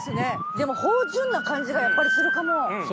でも芳醇な感じがやっぱりするかも。